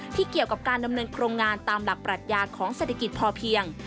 เกี่ยวกับการดำเนินโครงงานตามหลักปรัชญาของเศรษฐกิจพอเพียง